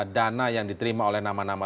dana yang diterima oleh nama nama